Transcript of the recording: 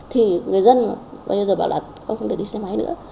thì người dân bây giờ bảo là không được đi xe máy nữa